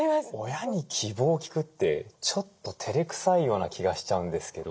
親に希望を聞くってちょっとてれくさいような気がしちゃうんですけど。